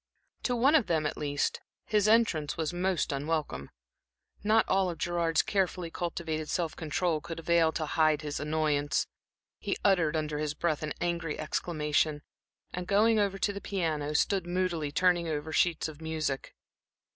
To one of them, at least, his entrance was most unwelcome. Not all of Gerard's carefully cultivated self control could avail to hide his annoyance; he uttered under his breath an angry exclamation, and going over to the piano, stood moodily turning over sheets of music.